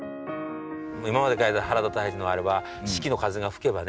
今まで描いた原田泰治のあれは四季の風が吹けばね